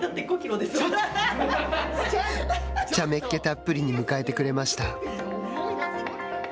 ちゃめっけたっぷりに迎えてくれました。